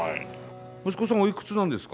息子さん、おいくつなんですか？